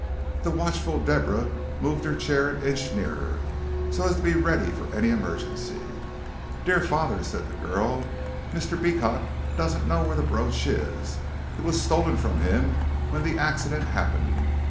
The watchful Deborah moved her chair an inch nearer, so as to be ready for any emergency. "Dear father," said the girl, "Mr. Beecot doesn't know where the brooch is. It was stolen from him when the accident happened.